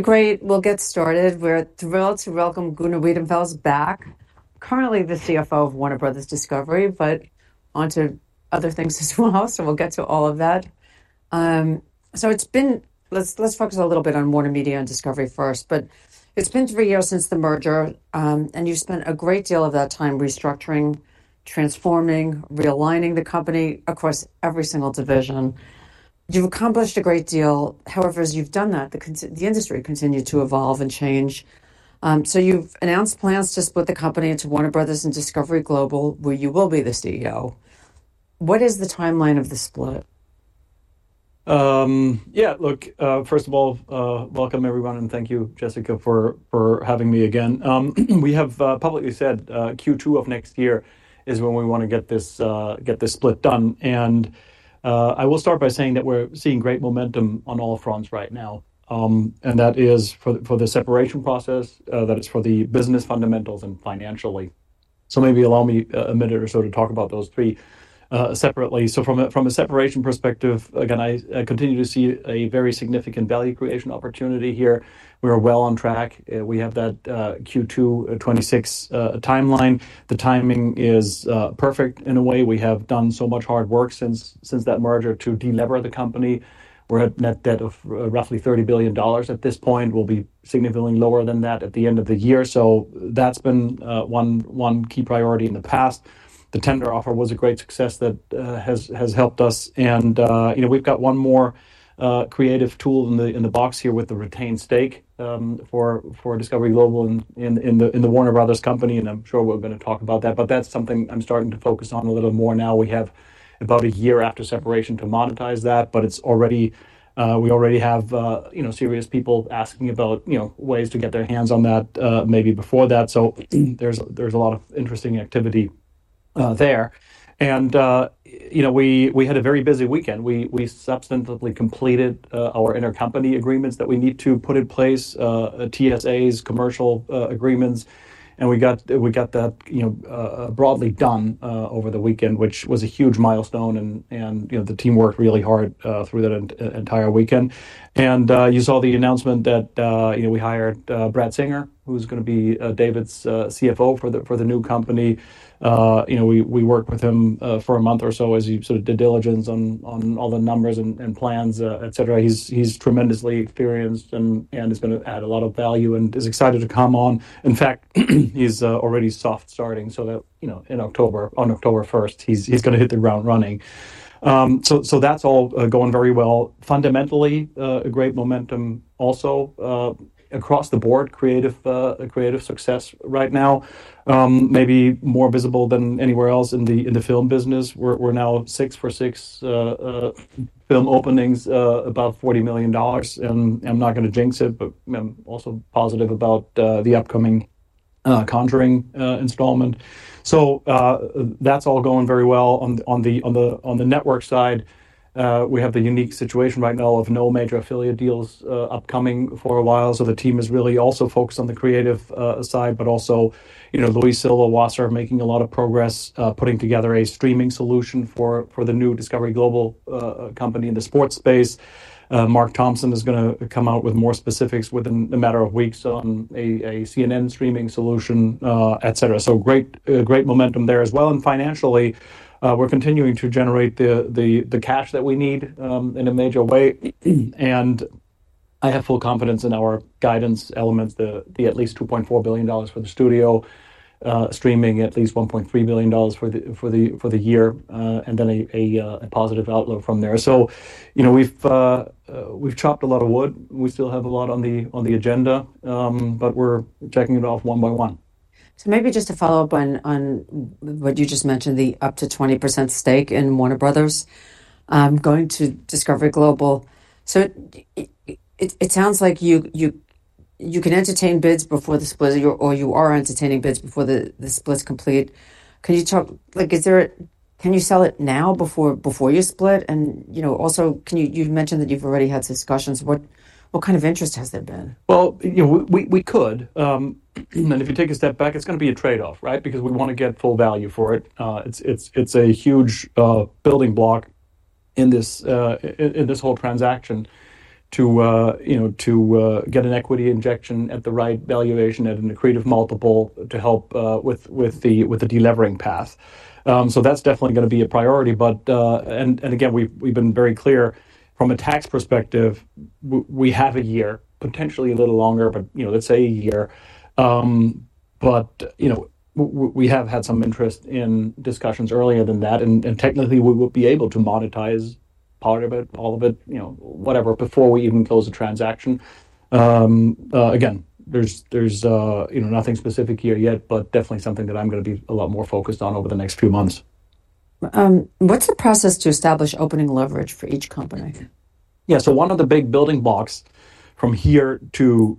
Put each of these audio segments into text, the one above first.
Great. We'll get started. We're thrilled to welcome Gunnar Wiedenfels back, currently the CFO of Warner Brothers Discovery, but onto other things as well. So we'll get to all of that. So it's been. Let's focus a little bit on WarnerMedia and Discovery first. But it's been three years since the merger, and you've spent a great deal of that time restructuring, transforming, realigning the company across every single division. You've accomplished a great deal. However, as you've done that, the industry continued to evolve and change. And so you've announced plans to split the company into Warner Brothers. and Discovery Global, where you will be the CEO. What is the timeline of the split? Yeah. Look, first of all, welcome everyone, and thank you, Jessica, for having me again. We have publicly said Q2 of next year is when we want to get this split done, and I will start by saying that we're seeing great momentum on all fronts right now, and that is for the separation process, that it's for the business fundamentals and financially, so maybe allow me a minute or so to talk about those three separately, so from a separation perspective, again, I continue to see a very significant value creation opportunity here. We are well on track. We have that Q2 2026 timeline. The timing is perfect in a way. We have done so much hard work since that merger to deleverage the company. We're at net debt of roughly $30 billion at this point. We'll be significantly lower than that at the end of the year. So that's been one key priority in the past. The tender offer was a great success that has helped us and we've got one more creative tool in the box here with the retained stake for Discovery Global in the Warner Brothers. company, and I'm sure we're going to talk about that, but that's something I'm starting to focus on a little more now. We have about a year after separation to monetize that but we already have serious people asking about ways to get their hands on that maybe before that so there's a lot of interesting activity there and we had a very busy weekend. We substantively completed our intercompany agreements that we need to put in place, TSAs, commercial agreements and we got that broadly done over the weekend, which was a huge milestone and the team worked really hard through that entire weekend. You saw the announcement that we hired Brad Singer, who's going to be David's CFO for the new company. We worked with him for a month or so as he sort of did diligence on all the numbers and plans, etc. He's tremendously experienced and is going to add a lot of value and is excited to come on. In fact, he's already soft starting. In October, on October 1st, he's going to hit the ground running. That's all going very well. Fundamentally, a great momentum also across the board, creative success right now, maybe more visible than anywhere else in the film business. We're now six for six film openings, about $40 million. I'm not going to jinx it, but I'm also positive about the upcoming The Conjuring installment. That's all going very well. On the network side, we have the unique situation right now of no major affiliate deals upcoming for a while, so the team is really also focused on the creative side, but also Luis Silva Wasser making a lot of progress, putting together a streaming solution for the new Discovery Global company in the sports space. Mark Thompson is going to come out with more specifics within a matter of weeks on a CNN streaming solution, etc. So great momentum there as well, and financially, we're continuing to generate the cash that we need in a major way. And I have full confidence in our guidance elements, the at least $2.4 billion for the studio, streaming at least $1.3 billion for the year, and then a positive outlook from there, so we've chopped a lot of wood. We still have a lot on the agenda, but we're checking it off one by one. So, maybe just to follow up on what you just mentioned, the up to 20% stake in Warner Brothers. going to Discovery Global. So, it sounds like you can entertain bids before the split or you are entertaining bids before the split's complete. Can you talk? Can you sell it now before you split? And you know also, you mentioned that you've already had discussions. What kind of interest has there been? We could. If you take a step back, it's going to be a trade-off, right? Because we want to get full value for it. It's a huge building block in this whole transaction to get an equity injection at the right valuation at an accretive multiple to help with the delivering path. That's definitely going to be a priority. Again, we've been very clear from a tax perspective. We have a year, potentially a little longer, but let's say a year. We have had some interest in discussions earlier than that. Technically, we would be able to monetize part of it, all of it, whatever, before we even close the transaction. Again, there's nothing specific here yet, but definitely something that I'm going to be a lot more focused on over the next few months. What's the process to establish opening leverage for each company? Yeah, so one of the big building blocks from here to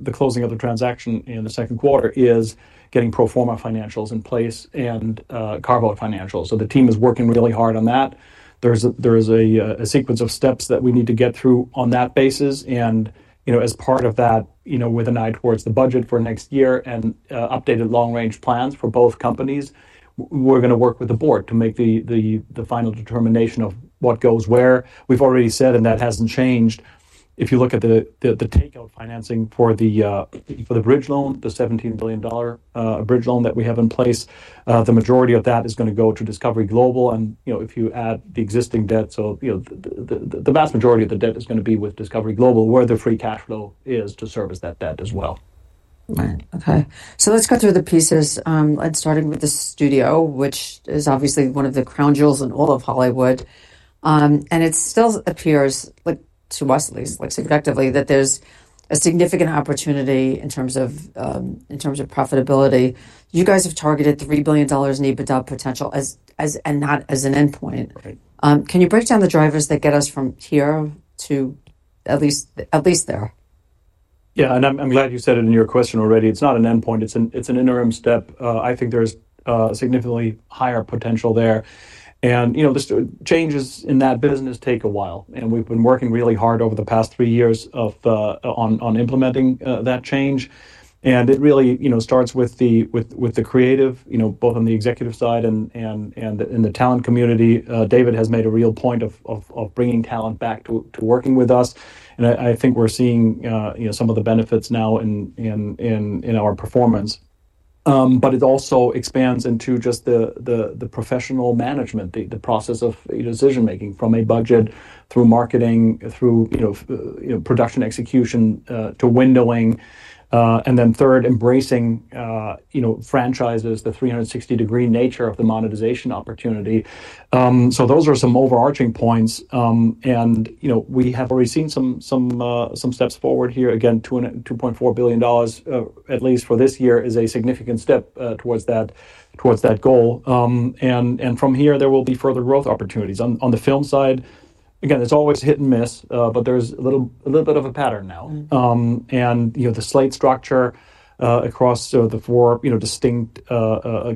the closing of the transaction in the Q2 is getting pro forma financials in place and carve-out financials, so the team is working really hard on that. There is a sequence of steps that we need to get through on that basis, and as part of that, with an eye towards the budget for next year and updated long-range plans for both companies, we're going to work with the board to make the final determination of what goes where. We've already said, and that hasn't changed. If you look at the takeout financing for the bridge loan, the $17 billion bridge loan that we have in place, the majority of that is going to go to Discovery Global. If you add the existing debt, so the vast majority of the debt is going to be with Discovery Global, where the free cash flow is to service that debt as well. Right. Okay, so let's go through the pieces. I'd started with the studio, which is obviously one of the crown jewels in all of Hollywood, and it still appears, to us at least, subjectively, that there's a significant opportunity in terms of profitability. You guys have targeted $3 billion in EBITDA potential and not as an endpoint. Can you break down the drivers that get us from here to at least there? Yeah. And I'm glad you said it in your question already. It's not an endpoint. It's an interim step. I think there's significantly higher potential there. And changes in that business take a while. And we've been working really hard over the past three years on implementing that change. And it really starts with the creative, you know, both on the executive side and in the talent community. David has made a real point of bringing talent back to working with us. And I think we're seeing some of the benefits now in our performance. But it also expands into just the professional management, the process of decision-making from a budget through marketing, through production execution to windowing. And then third, embracing franchises, the 360-degree nature of the monetization opportunity. So those are some overarching points. And we have already seen some steps forward here. Again, $2.4 billion, at least for this year, is a significant step towards that goal. And from here, there will be further growth opportunities. On the film side, again, it's always hit and miss, but there's a little bit of a pattern now. And the slate structure across the four distinct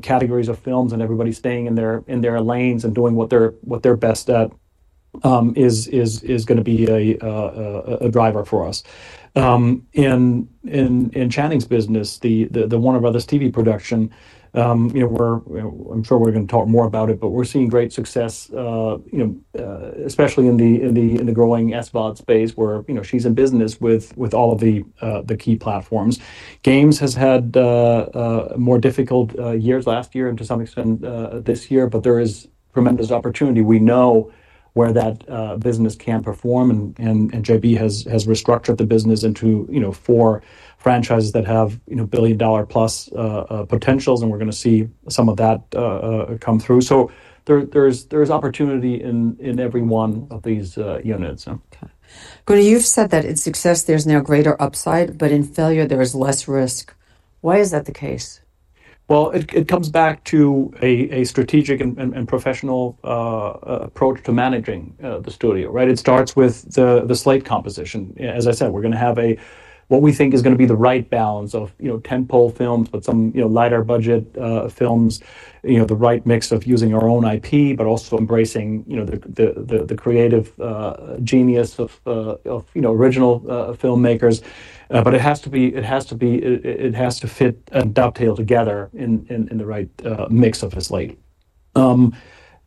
categories of films and everybody staying in their lanes and doing what they're best at is going to be a driver for us. In Channing's business, the Warner Brothers TV production, I'm sure we're going to talk more about it, but we're seeing great success, especially in the growing SVOD space where she's in business with all of the key platforms. Games has had more difficult years last year and to some extent this year, but there is tremendous opportunity. We know where that business can perform. JB has restructured the business into four franchises that have billion-dollar-plus potentials. We're going to see some of that come through. There's opportunity in every one of these units. Okay. Gunnar, you've said that in success, there's no greater upside, but in failure, there is less risk. Why is that the case? It comes back to a strategic and professional approach to managing the studio, right? It starts with the slate composition. As I said, we're going to have what we think is going to be the right balance of tentpole films, but some lighter budget films, the right mix of using our own IP, but also embracing the creative genius of original filmmakers. But it has to fit and dovetail together in the right mix of the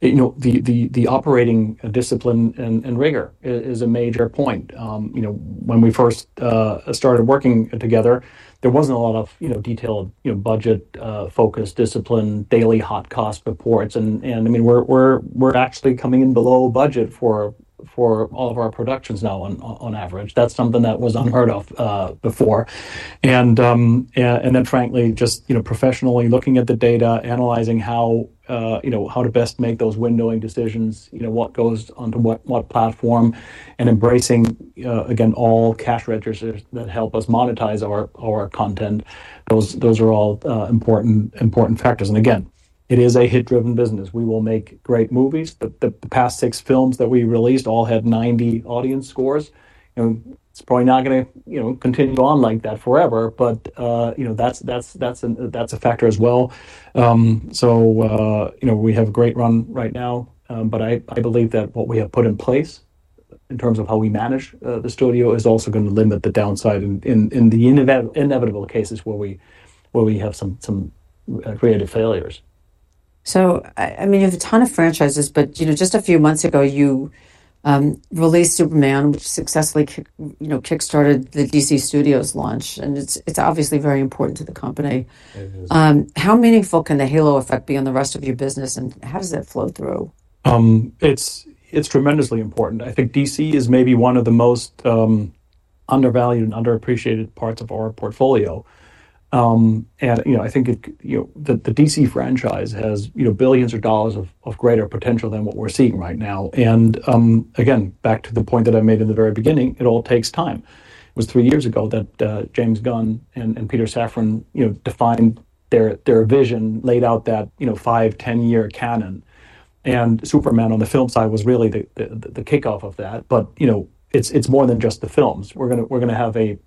slate. The operating discipline and rigor is a major point. When we first started working together, there wasn't a lot of detailed budget-focused discipline, daily hot cost reports. And I mean, we're actually coming in below budget for all of our productions now on average. That's something that was unheard of before. Then, frankly, just professionally looking at the data, analyzing how to best make those windowing decisions, what goes onto what platform, and embracing, again, all the cash registers that help us monetize our content. Those are all important factors. Again, it is a hit-driven business. We will make great movies. The past six films that we released all had 90 audience scores. It's probably not going to continue on like that forever, but that's a factor as well. We have a great run right now. I believe that what we have put in place in terms of how we manage the studio is also going to limit the downside in the inevitable cases where we have some creative failures. So I mean, you have a ton of franchises, but just a few months ago, you released Superman, which successfully kickstarted the DC Studios launch, and it's obviously very important to the company. How meaningful can the halo effect be on the rest of your business, and how does that flow through? It's tremendously important. I think DC is maybe one of the most undervalued and underappreciated parts of our portfolio. And I think the DC franchise has billions of dollars of greater potential than what we're seeing right now. And again, back to the point that I made in the very beginning, it all takes time. It was three years ago that James Gunn and Peter Safran defined their vision, laid out that five, 10-year canon. And Superman on the film side was really the kickoff of that. But it's more than just the films. We're going to have a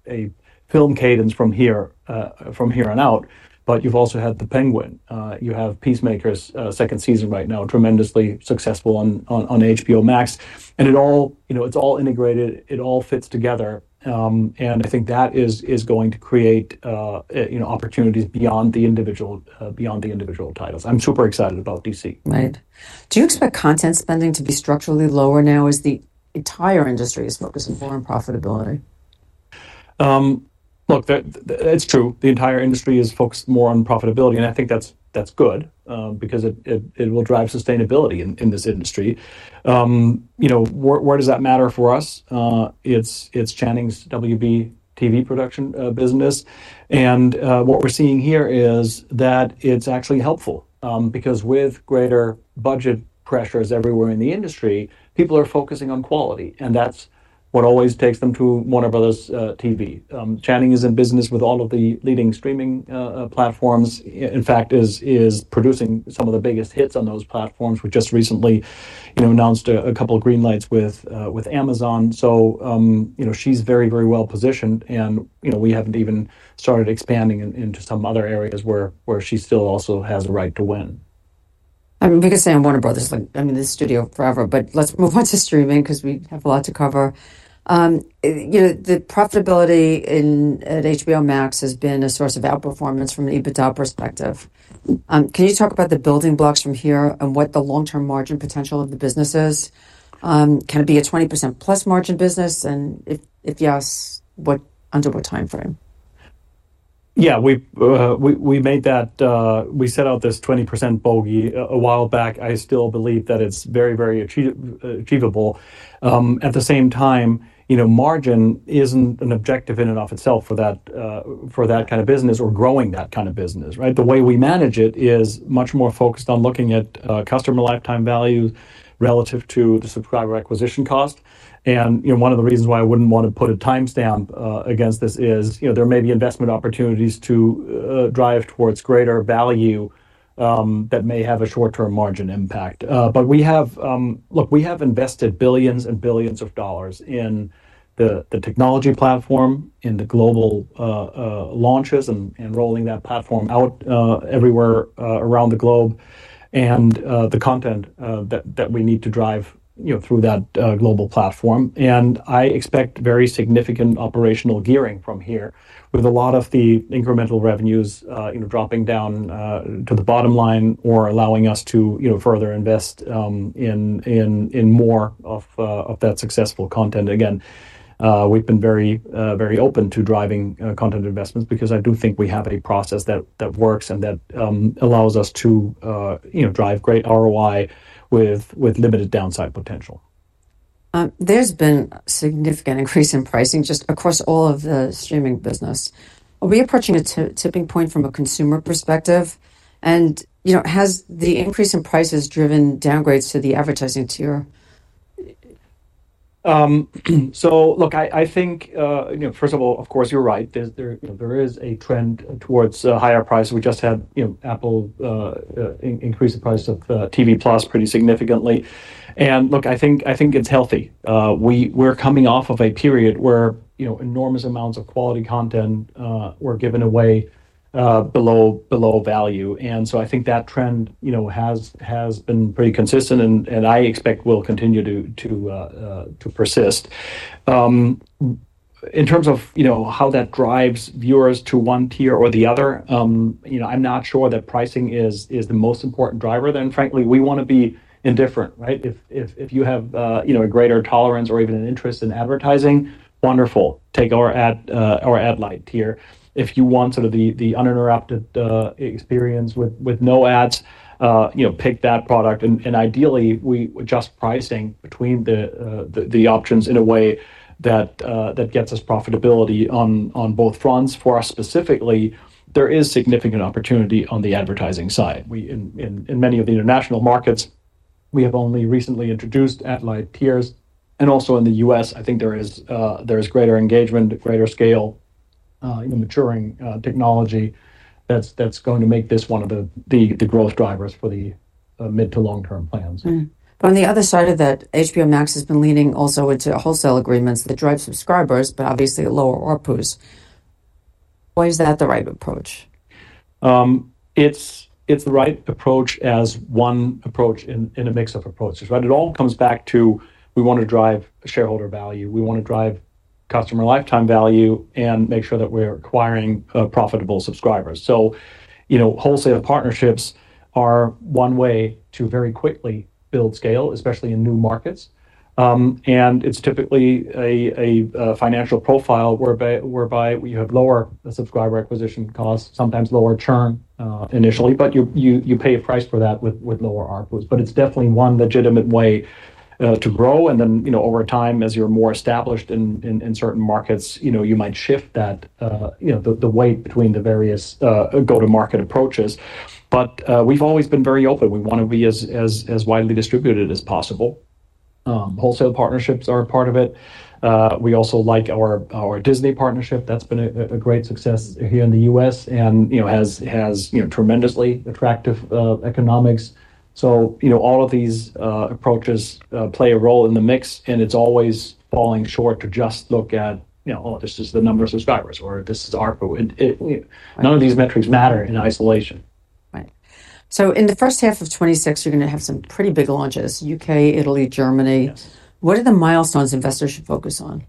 film cadence from here on out, but you've also had The Penguin. You have Peacemaker, second season right now, tremendously successful on HBO Max. And it's all integrated. It all fits together. And I think that is going to create opportunities beyond the individual titles. I'm super excited about DC. Right. Do you expect content spending to be structurally lower now as the entire industry is focused more on profitability? Look, that's true. The entire industry is focused more on profitability. And I think that's good because it will drive sustainability in this industry. Where does that matter for us? It's Channing's WB TV production business. And what we're seeing here is that it's actually helpful because with greater budget pressures everywhere in the industry, people are focusing on quality. And that's what always takes them to Warner Brothers TV. Channing is in business with all of the leading streaming platforms. In fact, is producing some of the biggest hits on those platforms. We just recently announced a couple of green lights with Amazon. So she's very, very well positioned. And we haven't even started expanding into some other areas where she still also has a right to win. I mean, we could say Warner Brothers. I mean, this studio forever, but let's move on to streaming because we have a lot to cover. The profitability at HBO Max has been a source of outperformance from an EBITDA perspective. Can you talk about the building blocks from here and what the long-term margin potential of the business is? Can it be a 20% plus margin business? And if yes, under what timeframe? Yeah. We made that. We set out this 20% bogey a while back. I still believe that it's very, very achievable. At the same time, margin isn't an objective in and of itself for that kind of business or growing that kind of business, right? The way we manage it is much more focused on looking at customer lifetime value relative to the subscriber acquisition cost. And one of the reasons why I wouldn't want to put a timestamp against this is there may be investment opportunities to drive towards greater value that may have a short-term margin impact. But look, we have invested billions and billions of dollars in the technology platform, in the global launches and rolling that platform out everywhere around the globe, and the content that we need to drive through that global platform. I expect very significant operational gearing from here with a lot of the incremental revenues dropping down to the bottom line or allowing us to further invest in more of that successful content. Again, we've been very open to driving content investments because I do think we have a process that works and that allows us to drive great ROI with limited downside potential. There's been a significant increase in pricing just across all of the streaming business. Are we approaching a tipping point from a consumer perspective, and has the increase in prices driven downgrades to the advertising tier? So look, I think, first of all, of course, you're right. There is a trend towards a higher price. We just had Apple increase the price of Apple TV+ pretty significantly. And look, I think it's healthy. We're coming off of a period where enormous amounts of quality content were given away below value. And so I think that trend has been pretty consistent and I expect will continue to persist. In terms of how that drives viewers to one tier or the other, I'm not sure that pricing is the most important driver. Then, frankly, we want to be indifferent, right? If you have a greater tolerance or even an interest in advertising, wonderful. Take our Ad-Lite tier. If you want sort of the uninterrupted experience with no ads, pick that product. Ideally, we adjust pricing between the options in a way that gets us profitability on both fronts. For us specifically, there is significant opportunity on the advertising side. In many of the international markets, we have only recently introduced Ad-Lite tiers. Also in the U.S., I think there is greater engagement, greater scale, maturing technology that's going to make this one of the growth drivers for the mid to long-term plans. On the other side of that, HBO Max has been leaning also into wholesale agreements that drive subscribers, but obviously lower ARPU. Why is that the right approach? It's the right approach as one approach in a mix of approaches, right? It all comes back to we want to drive shareholder value. We want to drive customer lifetime value and make sure that we're acquiring profitable subscribers. So wholesale partnerships are one way to very quickly build scale, especially in new markets. And it's typically a financial profile whereby you have lower subscriber acquisition costs, sometimes lower churn initially, but you pay a price for that with lower ARPUs. But it's definitely one legitimate way to grow. And then over time, as you're more established in certain markets, you might shift the weight between the various go-to-market approaches. But we've always been very open. We want to be as widely distributed as possible. Wholesale partnerships are a part of it. We also like our Disney partnership. That's been a great success here in the U.S. and has tremendously attractive economics. So all of these approaches play a role in the mix. And it's always falling short to just look at, "Oh, this is the number of subscribers," or, "This is ARPU." None of these metrics matter in isolation. Right. So in the first half of 2026, you're going to have some pretty big launches: UK, Italy, Germany. What are the milestones investors should focus on?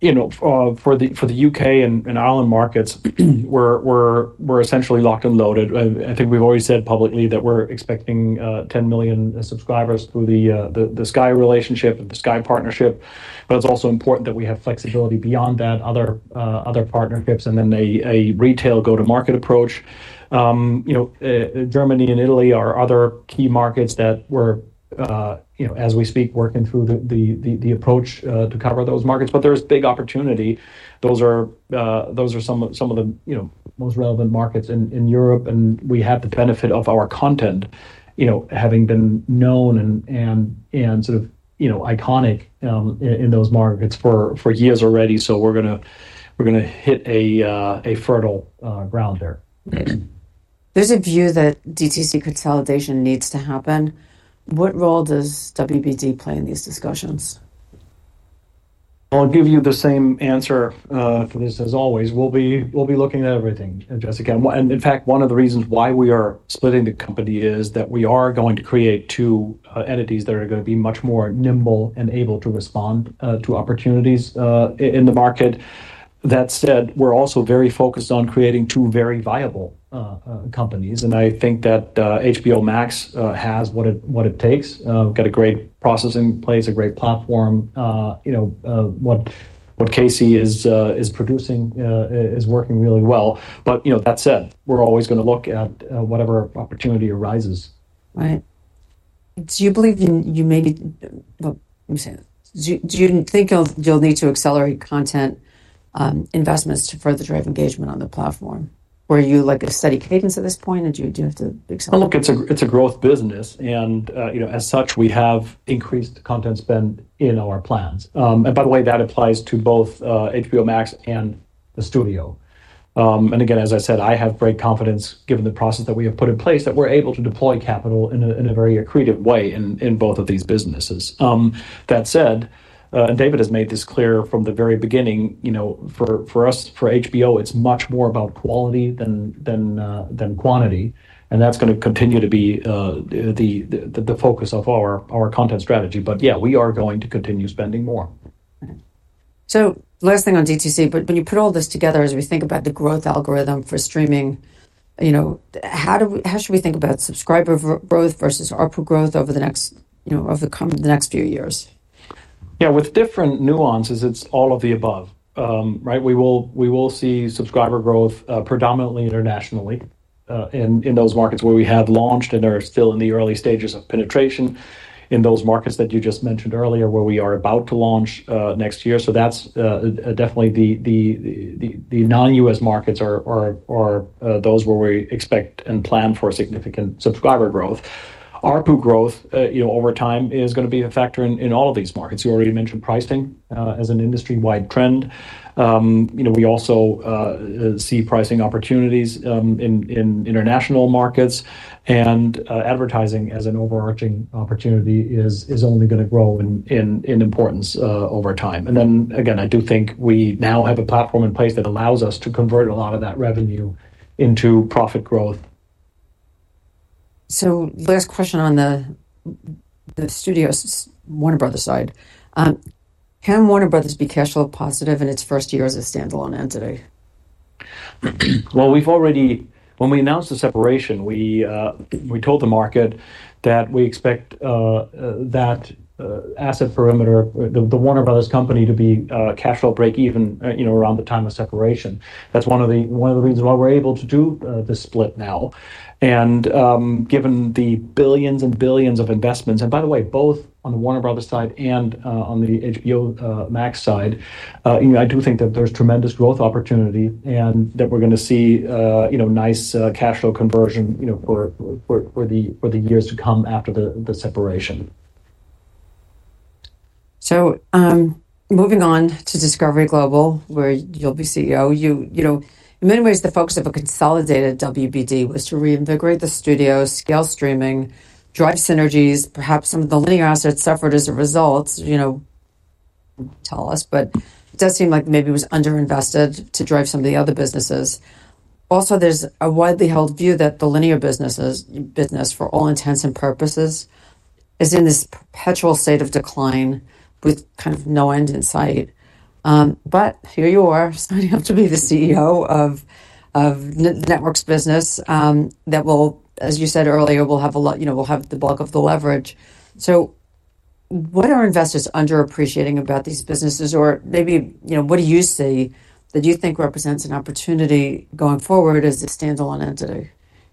For the U.K. and Ireland markets, we're essentially locked and loaded. I think we've always said publicly that we're expecting 10 million subscribers through the Sky relationship and the Sky partnership. It's also important that we have flexibility beyond that, other partnerships, and then a retail go-to-market approach. Germany and Italy are other key markets that we're, as we speak, working through the approach to cover those markets. There's big opportunity. Those are some of the most relevant markets in Europe. We have the benefit of our content having been known and sort of iconic in those markets for years already. We're going to hit a fertile ground there. Right. There's a view that DTC consolidation needs to happen. What role does WBD play in these discussions? I'll give you the same answer for this as always. We'll be looking at everything, Jessica. And in fact, one of the reasons why we are splitting the company is that we are going to create two entities that are going to be much more nimble and able to respond to opportunities in the market. That said, we're also very focused on creating two very viable companies. And I think that HBO Max has what it takes. We've got a great process in place, a great platform. What Casey is producing is working really well. But that said, we're always going to look at whatever opportunity arises. Right. Do you believe you maybe, well, let me say that. Do you think you'll need to accelerate content investments to further drive engagement on the platform? Or are you at a steady cadence at this point, or do you have to accelerate? Look, it's a growth business. And as such, we have increased content spend in our plans. And by the way, that applies to both HBO Max and the studio. And again, as I said, I have great confidence given the process that we have put in place that we're able to deploy capital in a very accretive way in both of these businesses. That said, and David has made this clear from the very beginning, for us, for HBO, it's much more about quality than quantity. And that's going to continue to be the focus of our content strategy. But yeah, we are going to continue spending more. Last thing on DTC, but when you put all this together, as we think about the growth algorithm for streaming, how should we think about subscriber growth versus ARPU growth over the next few years? Yeah, with different nuances, it's all of the above, right? We will see subscriber growth predominantly internationally in those markets where we have launched and are still in the early stages of penetration in those markets that you just mentioned earlier where we are about to launch next year. So that's definitely the non-U.S. markets are those where we expect and plan for significant subscriber growth. ARPU growth over time is going to be a factor in all of these markets. You already mentioned pricing as an industry-wide trend. We also see pricing opportunities in international markets. And advertising as an overarching opportunity is only going to grow in importance over time. And then again, I do think we now have a platform in place that allows us to convert a lot of that revenue into profit growth. Last question on the studio's Warner Brothers. side. Can Warner Brothers. be cash flow positive in its first year as a standalone entity? We've already, when we announced the separation, we told the market that we expect that asset perimeter, the Warner Brothers. company to be cash flow break-even around the time of separation. That's one of the reasons why we're able to do the split now. And given the billions and billions of investments, and by the way, both on the Warner Brothers. side and on the HBO Max side, I do think that there's tremendous growth opportunity and that we're going to see nice cash flow conversion for the years to come after the separation. So moving on to Discovery Global, where you'll be CEO. In many ways, the focus of a consolidated WBD was to reinvigorate the studios, scale streaming, drive synergies. Perhaps some of the linear assets suffered as a result, tell us, but it does seem like maybe it was underinvested to drive some of the other businesses. Also, there's a widely held view that the linear business, for all intents and purposes, is in this perpetual state of decline with kind of no end in sight. But here you are, signing up to be the CEO of the network's business that will, as you said earlier, will have a lot, will have the bulk of the leverage. So what are investors underappreciating about these businesses? Or maybe what do you see that you think represents an opportunity going forward as a standalone entity?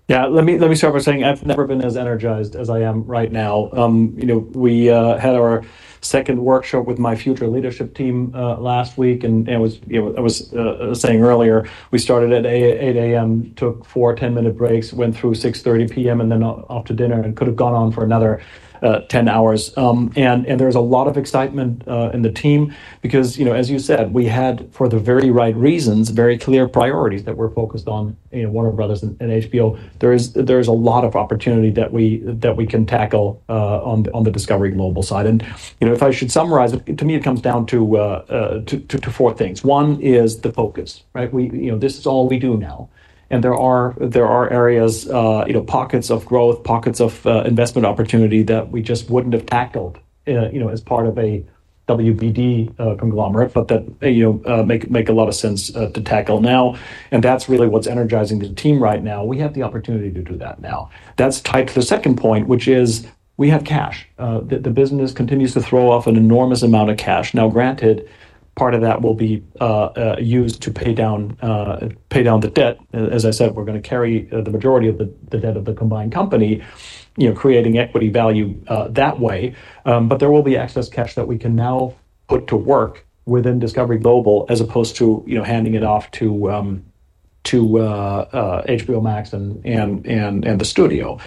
Yeah, let me start by saying I've never been as energized as I am right now. We had our second workshop with my future leadership team last week. I was saying earlier, we started at 8:00 A.M., took four 10-minute breaks, went through 6:30 P.M., and then off to dinner, and could have gone on for another 10 hours. There's a lot of excitement in the team because, as you said, we had, for the very right reasons, very clear priorities that we're focused on, Warner Brothers. and HBO. There's a lot of opportunity that we can tackle on the Discovery Global side. If I should summarize it, to me, it comes down to four things. One is the focus, right? This is all we do now. And there are areas, pockets of growth, pockets of investment opportunity that we just wouldn't have tackled as part of a WBD conglomerate, but that make a lot of sense to tackle now. And that's really what's energizing the team right now. We have the opportunity to do that now. That's tied to the second point, which is we have cash. The business continues to throw off an enormous amount of cash. Now, granted, part of that will be used to pay down the debt. As I said, we're going to carry the majority of the debt of the combined company, creating equity value that way. But there will be excess cash that we can now put to work within Discovery Global as opposed to handing it off to HBO Max and the studio.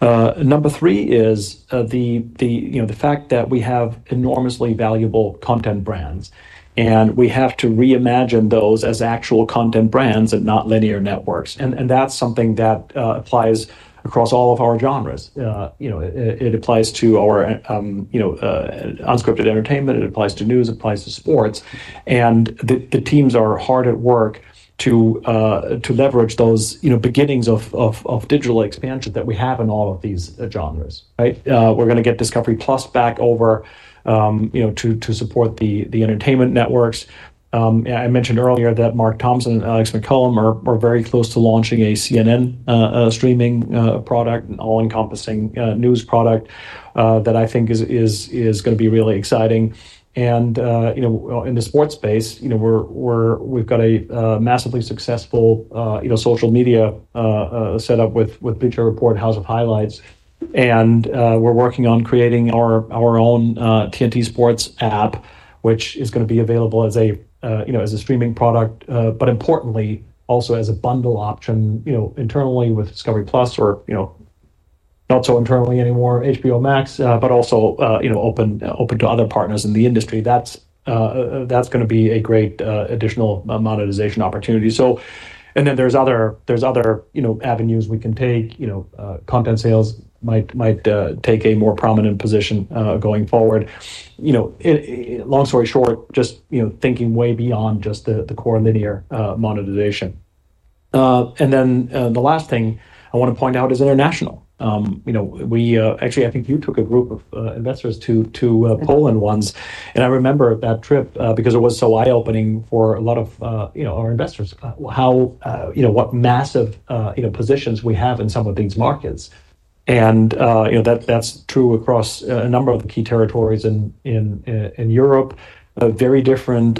Number three is the fact that we have enormously valuable content brands. And we have to reimagine those as actual content brands and not linear networks. And that's something that applies across all of our genres. It applies to our unscripted entertainment. It applies to news. It applies to sports. And the teams are hard at work to leverage those beginnings of digital expansion that we have in all of these genres, right? We're going to get discovery+ back over to support the entertainment networks. I mentioned earlier that Mark Thompson and Alex MacCallum are very close to launching a CNN streaming product, an all-encompassing news product that I think is going to be really exciting. And in the sports space, we've got a massively successful social media setup with Bleacher Report, House of Highlights. We're working on creating our own TNT Sports app, which is going to be available as a streaming product, but importantly, also as a bundle option internally with discovery+ or not so internally anymore, HBO Max, but also open to other partners in the industry. That's going to be a great additional monetization opportunity. Then there's other avenues we can take. Content sales might take a more prominent position going forward. Long story short, just thinking way beyond just the core linear monetization. Then the last thing I want to point out is international. Actually, I think you took a group of investors to Poland once. And I remember that trip because it was so eye-opening for a lot of our investors how what massive positions we have in some of these markets. And that's true across a number of the key territories in Europe, very different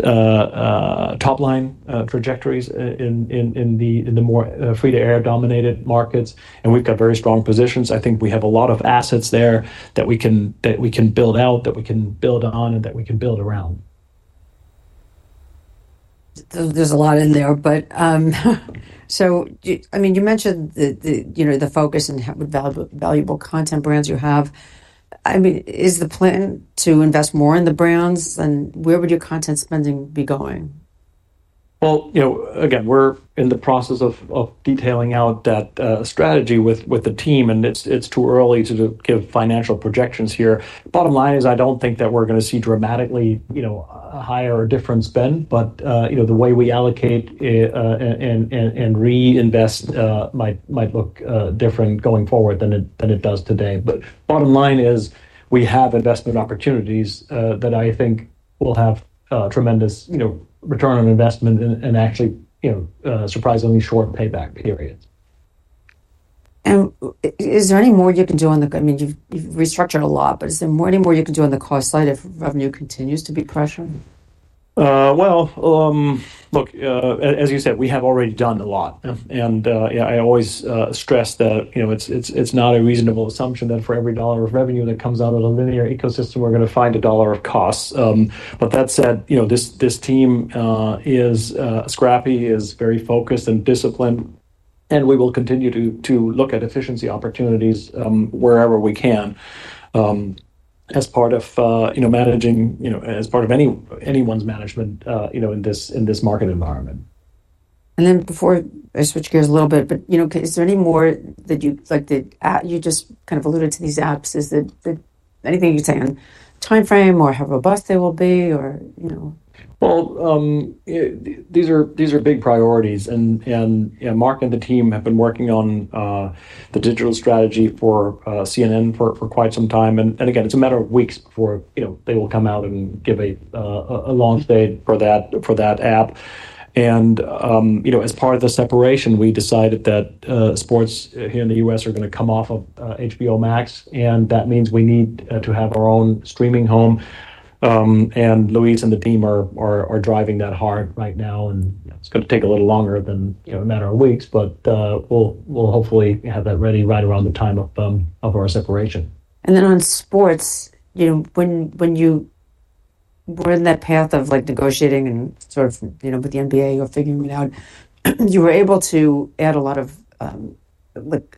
top-line trajectories in the more free-to-air dominated markets. And we've got very strong positions. I think we have a lot of assets there that we can build out, that we can build on, and that we can build around. There's a lot in there, but so I mean, you mentioned the focus and valuable content brands you have. I mean, is the plan to invest more in the brands? And where would your content spending be going? Again, we're in the process of detailing out that strategy with the team. It's too early to give financial projections here. Bottom line is I don't think that we're going to see dramatically higher or different spend. The way we allocate and reinvest might look different going forward than it does today. Bottom line is we have investment opportunities that I think will have tremendous return on investment and actually surprisingly short payback periods. And is there any more you can do on the, I mean, you've restructured a lot, but is there any more you can do on the cost side if revenue continues to be pressure? Well, look, as you said, we have already done a lot. And I always stress that it's not a reasonable assumption that for every dollar of revenue that comes out of the linear ecosystem, we're going to find a dollar of costs. But that said, this team is scrappy, is very focused and disciplined. And we will continue to look at efficiency opportunities wherever we can as part of managing, as part of anyone's management in this market environment. Before I switch gears a little bit, but is there any more that you just kind of alluded to these apps? Is there anything you'd say on timeframe or how robust they will be? These are big priorities. Mark and the team have been working on the digital strategy for CNN for quite some time. Again, it's a matter of weeks before they will come out and give a launch date for that app. As part of the separation, we decided that sports here in the U.S. are going to come off of HBO Max. That means we need to have our own streaming home. Luis and the team are driving that hard right now. It's going to take a little longer than a matter of weeks, but we'll hopefully have that ready right around the time of our separation. And then on sports, when you were in that path of negotiating and sort of with the NBA or figuring it out, you were able to add a lot of,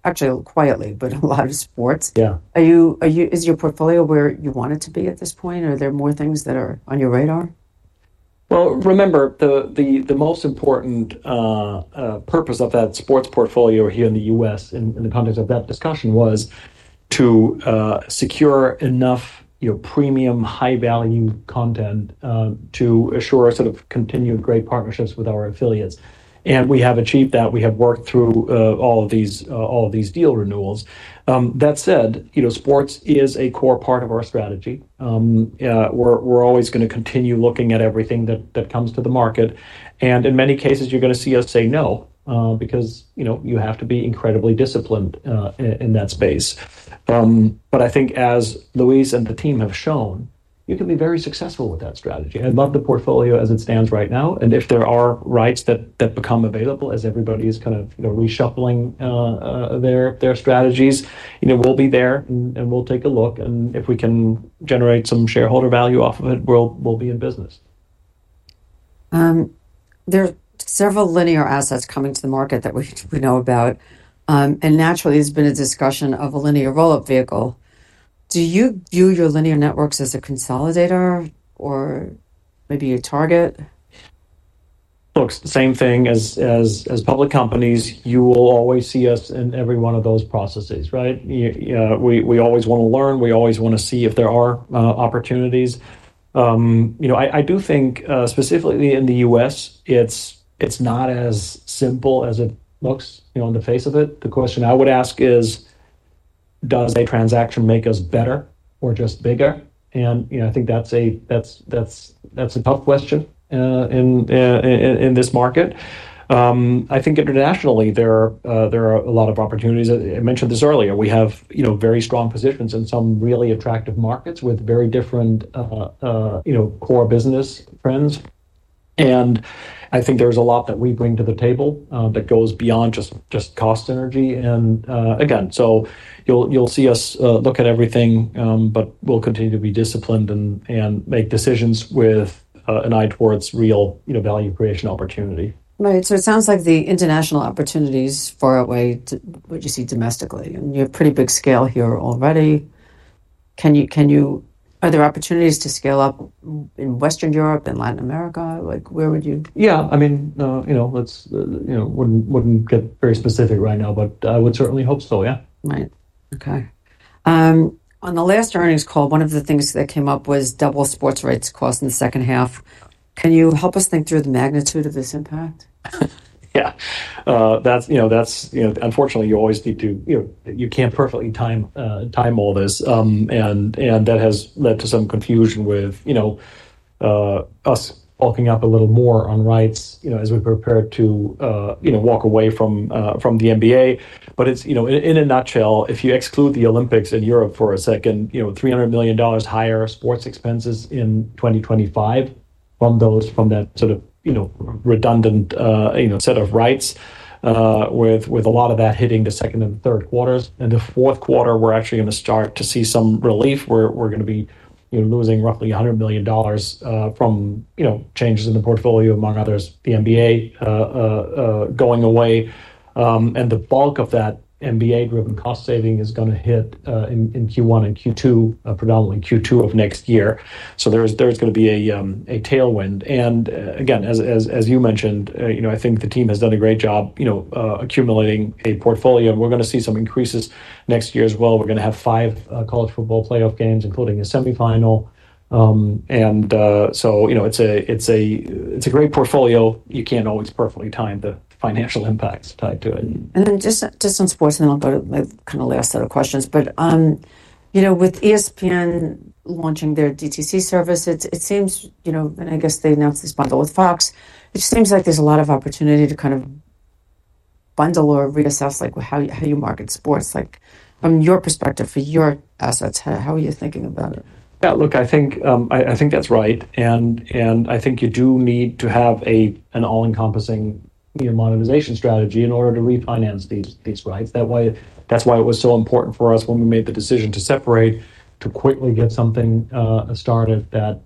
actually, quietly, but a lot of sports. Is your portfolio where you want it to be at this point? Are there more things that are on your radar? Remember, the most important purpose of that sports portfolio here in the U.S., in the context of that discussion, was to secure enough premium, high-value content to assure sort of continued great partnerships with our affiliates. And we have achieved that. We have worked through all of these deal renewals. That said, sports is a core part of our strategy. We're always going to continue looking at everything that comes to the market. And in many cases, you're going to see us say no because you have to be incredibly disciplined in that space. But I think as Luis and the team have shown, you can be very successful with that strategy. I love the portfolio as it stands right now. And if there are rights that become available as everybody is kind of reshuffling their strategies, we'll be there and we'll take a look. If we can generate some shareholder value off of it, we'll be in business There are several linear assets coming to the market that we know about, and naturally, there's been a discussion of a linear roll-up vehicle. Do you view your linear networks as a consolidator or maybe a target? Look, same thing. As public companies, you will always see us in every one of those processes, right? We always want to learn. We always want to see if there are opportunities. I do think specifically in the U.S., it's not as simple as it looks on the face of it. The question I would ask is, does a transaction make us better or just bigger? And I think that's a tough question in this market. I think internationally, there are a lot of opportunities. I mentioned this earlier. We have very strong positions in some really attractive markets with very different core business trends. And I think there's a lot that we bring to the table that goes beyond just cost synergy. And again, so you'll see us look at everything, but we'll continue to be disciplined and make decisions with an eye towards real value creation opportunity. Right. So it sounds like the international opportunities far away, what do you see domestically? And you have pretty big scale here already. Are there opportunities to scale up in Western Europe, in Latin America? Where would you? Yeah. I mean, let's not get very specific right now, but I would certainly hope so, yeah. Right. Okay. On the last earnings call, one of the things that came up was double sports rights cost in the second half. Can you help us think through the magnitude of this impact? Yeah. That's unfortunately, you always need to—you can't perfectly time all this. And that has led to some confusion with us bulking up a little more on rights as we prepare to walk away from the NBA. But in a nutshell, if you exclude the Olympics in Europe for a second, $300 million higher sports expenses in 2025 from that sort of redundant set of rights, with a lot of that hitting the Q2 and Q3. And the Q4, we're actually going to start to see some relief. We're going to be losing roughly $100 million from changes in the portfolio, among others, the NBA going away. And the bulk of that NBA-driven cost saving is going to hit in Q1 and Q2, predominantly Q2 of next year. So there's going to be a tailwind. And again, as you mentioned, I think the team has done a great job accumulating a portfolio. And we're going to see some increases next year as well. We're going to have five College Football Playoff games, including a semifinal. And so it's a great portfolio. You can't always perfectly time the financial impacts tied to it. And then just on sports, and then I'll go to my kind of last set of questions. But with ESPN launching their DTC service, it seems—and I guess they announced this bundle with Fox—it seems like there's a lot of opportunity to kind of bundle or reassess how you market sports. From your perspective, for your assets, how are you thinking about it? Yeah. Look, I think that's right. And I think you do need to have an all-encompassing monetization strategy in order to refinance these rights. That's why it was so important for us when we made the decision to separate to quickly get something started that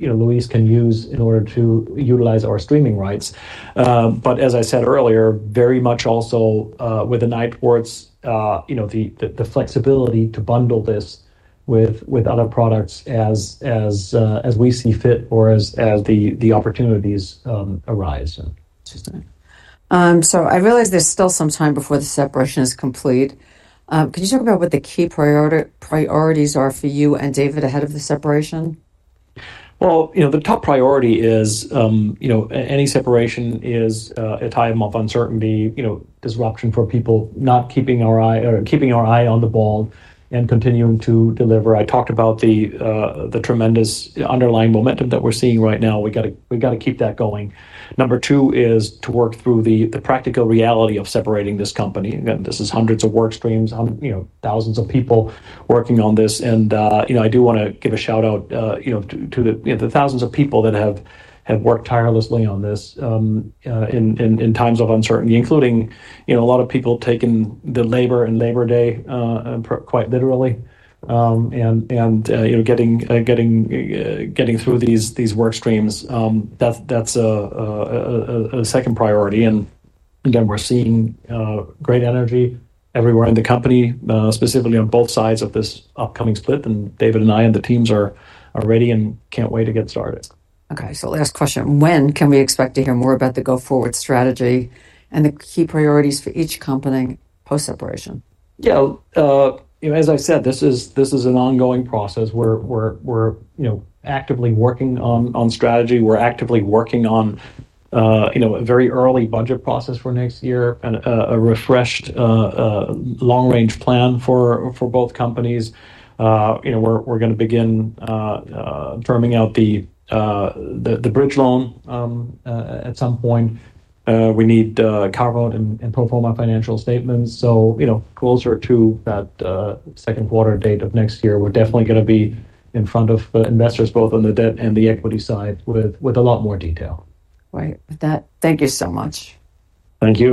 Luis can use in order to utilize our streaming rights. But as I said earlier, very much also with the TNT Sports, the flexibility to bundle this with other products as we see fit or as the opportunities arise. Interesting. So I realize there's still some time before the separation is complete. Could you talk about what the key priorities are for you and David ahead of the separation? Well, the top priority is any separation is a time of uncertainty, disruption for people: not keeping our eye on the ball and continuing to deliver. I talked about the tremendous underlying momentum that we're seeing right now. We got to keep that going. Number two is to work through the practical reality of separating this company. Again, this is hundreds of work streams, thousands of people working on this. And I do want to give a shout-out to the thousands of people that have worked tirelessly on this in times of uncertainty, including a lot of people taking the labor and Labor Day quite literally and getting through these work streams. That's a second priority. And again, we're seeing great energy everywhere in the company, specifically on both sides of this upcoming split. And David and I and the teams are ready and can't wait to get started. Okay. So last question. When can we expect to hear more about the go-forward strategy and the key priorities for each company post-separation? Yeah. you know, As I said, this is an ongoing process. We're actively working on strategy. We're actively working on a very early budget process for next year, a refreshed long-range plan for both companies. We're going to begin firming out the bridge loan at some point. We need carve-out and pro forma financial statements. So closer to that Q2 date of next year, we're definitely going to be in front of investors, both on the debt and the equity side, with a lot more detail. Right. With that, thank you so much. Thank you.